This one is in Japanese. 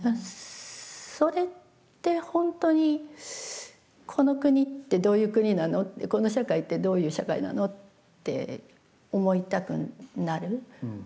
それって本当にこの国ってどういう国なのってこの社会ってどういう社会なのって思いたくなる。